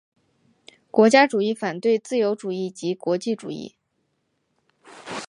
国家主义反对自由主义及国际主义。